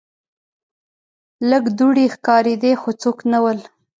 لږ دوړې ښکاریدې خو څوک نه ول.